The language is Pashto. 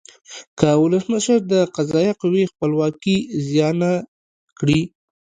که ولسمشر د قضایه قوې خپلواکي زیانه کړي.